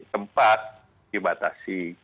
tentu itu di batasi